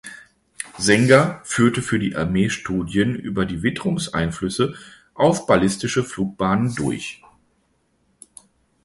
Sänger führte für die Armee Studien über die Witterungseinflüsse auf ballistische Flugbahnen durch.